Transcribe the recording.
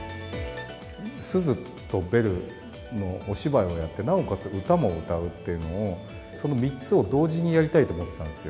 すずとベルのお芝居をやって、なおかつ歌も歌うっていうのを、その３つを同時にやりたいと思ってたんですよ。